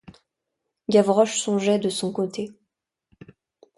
Gavroche songeait de son côté.